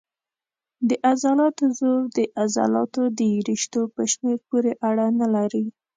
د عضلاتو زور د عضلاتو د رشتو په شمېر پورې اړه نه لري.